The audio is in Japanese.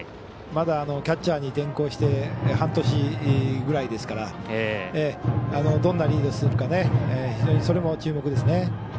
まだ、キャッチャーに転向して半年ぐらいですからどんなリードするか非常にそれも注目ですね。